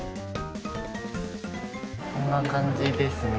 こんな感じですね。